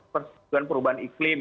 persoalan perubahan iklim